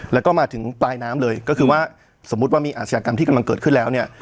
แล้วก็มาถึงปลายน้ำเลยก็คือว่าสมมุติว่ามีอาชญากรรมที่กำลังเกิดขึ้นแล้วเนี่ย